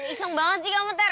iseng banget sih kamu teror